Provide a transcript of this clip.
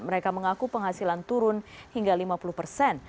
mereka mengaku penghasilan turun hingga lima puluh persen